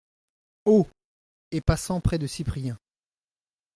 Haut, et passant près de Cyprien.